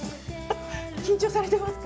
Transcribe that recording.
緊張されていますか。